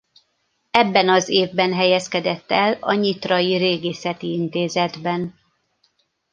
Ebben az évben helyezkedett el a nyitrai Régészeti Intézetben.